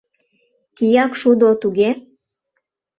Киякшудо, туге?